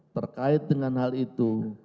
terkait dengan hal itu